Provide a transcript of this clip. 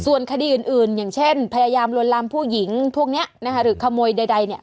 ส่วนคดีอื่นอย่างเช่นพยายามลวนลามผู้หญิงพวกนี้นะคะหรือขโมยใดเนี่ย